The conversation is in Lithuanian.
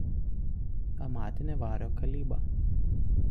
Amatinė vario kalyba.